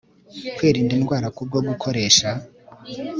kwirinda indwara kubwo gukoresha